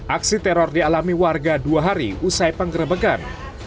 aksi teror dialami warga dua hari usai penggerebekan